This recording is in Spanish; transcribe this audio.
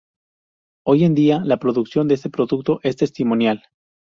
Hoy en día la producción de este producto es testimonial.